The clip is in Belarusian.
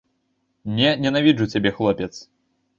Не ненавіджу цябе, хлопец.